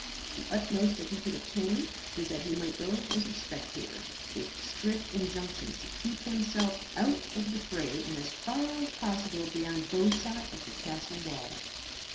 The utmost that he could obtain was that he might go as a spectator, with strict injunctions to keep himself out of the fray, and as far as possible beyond bow shot of the castle wall.